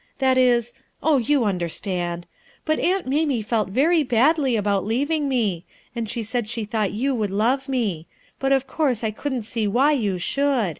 That is — oh, you understand. But Aunt Mamie felt very badly about leaving me; and she said she thought you would love me; but of course I couldn't see why you should.